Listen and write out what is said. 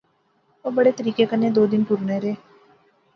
او بڑے طریقے کنے دو دن ٹرنے رہے